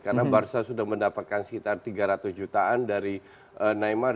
karena barca sudah mendapatkan sekitar tiga ratus jutaan dari neymar